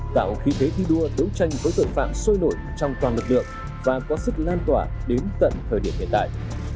tạo khí thế thi đua đấu tranh với tội phạm sôi nổi trong toàn lực lượng và có sức lan tỏa đến tận thời điểm hiện tại